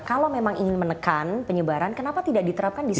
kalau memang ingin menekan penyebaran kenapa tidak diterapkan di sini